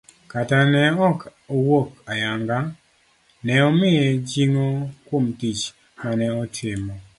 kata ne ok owuok ayanga, ne omiye jing'o kuom tich mane otimo.